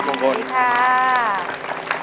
สวัสดีครับ